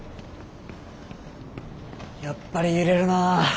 やっぱり揺れるな。